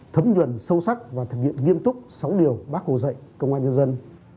thấm nhuận sâu sắc và thực hiện nghiêm túc sáu điều bác hồ dạy công an nhân dân